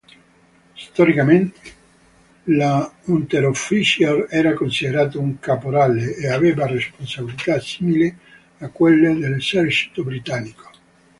Storicamente, l'Unteroffizier era considerato un caporale e aveva responsabilità simili a quelle dell'esercito britannico.